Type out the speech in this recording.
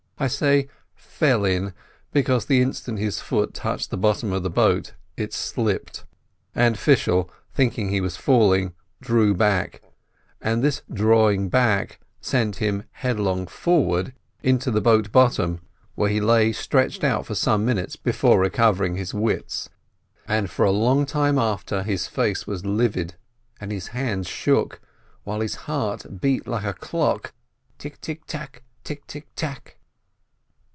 I say "fell in," because the instant his foot touched the bottom of the boat, it slipped, and Fishel, thinking he was falling, drew back, and this drawing back sent him headlong forward into the boat bottom, where he lay stretched out for some minutes before recovering his FISHEL THE TEACHEK 137 wits, and for a long time after his face was livid, and his hands shook, while his heart beat like a clock, tik tik tak, tik tik tak!